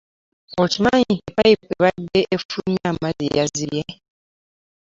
Okimanyi nti payipu eyabade efuirumya amazzi yazibye.